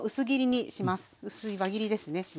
薄い輪切りですね。